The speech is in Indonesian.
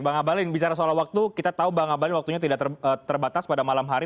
bang abalin bicara soal waktu kita tahu bang abalin waktunya tidak terbatas pada malam hari